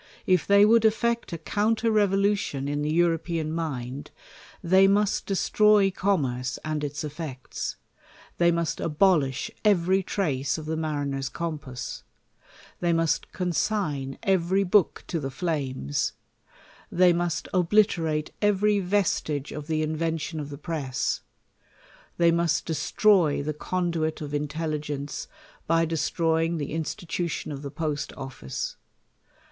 If they v/ould effect a counter revolutioa in the European mind, they must destroy commerce and its effects ; they must abolish ev ery trace of the mariner's compass ; they must consign every book to the flames ; they must obliterate every vestige of the invention of the press ; they must destroy the conduit of intelligence, by destroying* the institu tion of the post office.